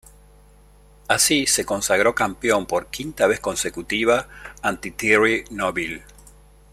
Así, se consagró campeón por quinta vez consecutiva ante Thierry Neuville.